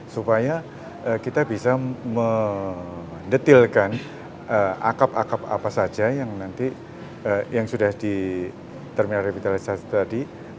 supaya kita bisa mendetilkan akap akap apa saja yang nanti yang sudah di terminal revitalisasi tadi